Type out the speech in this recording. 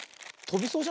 とびそう。